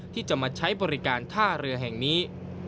ที่จะมาใช้บริการท่าเรือแห่งนี้